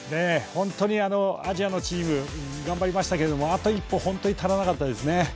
本当にアジアのチーム頑張りましたけどあと一歩本当に足らなかったですね。